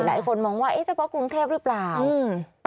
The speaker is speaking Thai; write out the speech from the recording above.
หลายคนมองว่าเจ้าป๊อกกรุงเทพฯหรือเปล่า